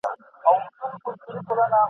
په چل ول کي بې جوړې لکه شیطان وو ..